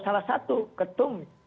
salah satu ketum